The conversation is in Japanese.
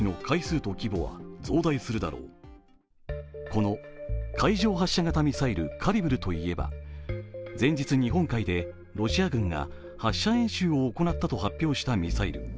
この海上発射型ミサイルカリブルといえば前日、日本海でロシア軍が発射演習を行ったと発表したミサイル。